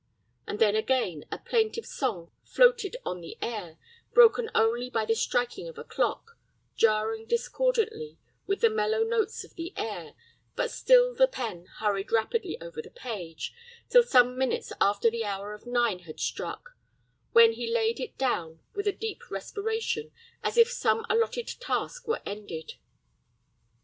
And then again a plaintive song floated on the air, broken only by the striking of a clock, jarring discordantly with the mellow notes of the air; but still the pen hurried rapidly over the page, till some minutes after the hour of nine had struck, when he laid it down with a deep respiration, as if some allotted task were ended.